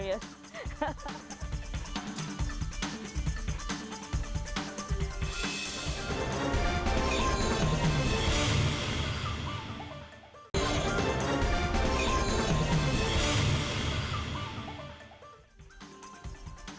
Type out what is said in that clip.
terima kasih banyak